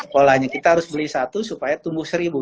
polanya kita harus beli satu supaya tumbuh seribu